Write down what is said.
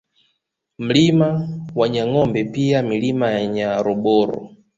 Mlima wa Nyangombe pia Milima ya Nyaroboro